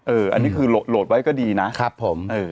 อันนี้คือโหลดไว้ก็ดีนะครับผม